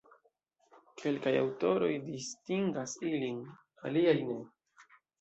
Kelkaj aŭtoroj distingas ilin, aliaj ne.